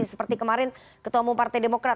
seperti kemarin ketua umum pertama